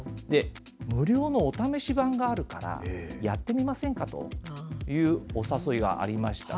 無料のお試し版があるからやってみませんかというお誘いがありました。